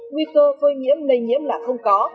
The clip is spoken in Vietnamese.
nguy cơ phơi nhiễm lây nhiễm là không có